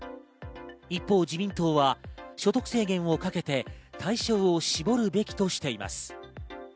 一方、自民党は所得制限をかけて対象を絞るべきとしています。